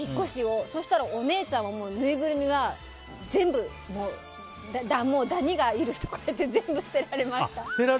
そしたら、お姉ちゃんにぬいぐるみはもうダニがいるって全部捨てられました。